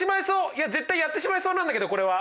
いや絶対やってしまいそうなんだけどこれは。